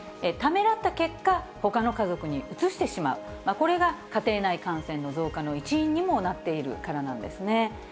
ためらった結果、ほかの家族にうつしてしまう、これが家庭内感染の増加の一因にもなっているからなんですね。